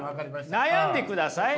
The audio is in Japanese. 悩んでください。